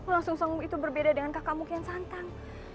langsung songmu itu berbeda dengan kakakmu kian santang